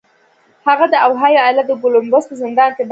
هغه د اوهایو ایالت د کولمبوس په زندان کې بندي و